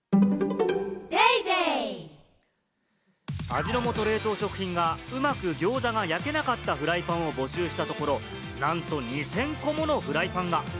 味の素冷凍食品がうまく餃子が焼けなかったフライパンを募集したところ、なんと２０００個ものフライパンが。